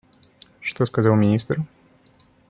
Что сказал министр?